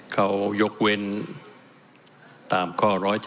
เขายกเว้นตามข้อ๑๗